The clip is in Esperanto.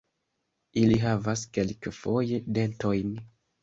Ili havas kelkfoje dentojn.